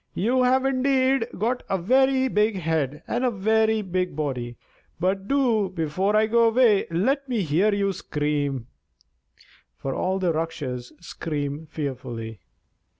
you have indeed got a very big head and a very big body; but do, before I go away, let me hear you scream," for all Rakshas scream fearfully.